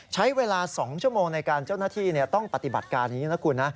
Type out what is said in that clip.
ใช้เวลา๒ชั่วโมงในการเจ้าหน้าที่ต้องปฏิบัติการอย่างนี้นะคุณนะ